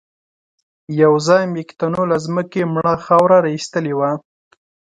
يوځای مېږتنو له ځمکې مړه خاوره را ايستلې وه.